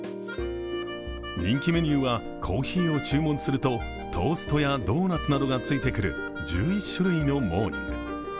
人気メニューはコーヒーを注文するとコーヒーやドーナツなどがついてくる、１１種類のモーニング。